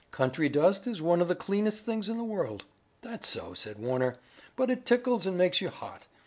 Country dust is one of the cleanest things in the world." "That's so," said Warner, "but it tickles and makes you hot.